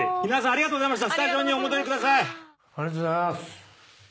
ありがとうございます。